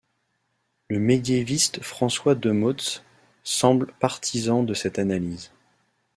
Le médiéviste François Demotz semble partisan de cette analyse.